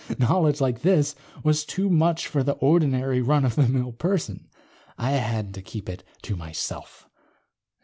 Knowledge like this was too much for the ordinary run of the mill person. I had to keep it to myself.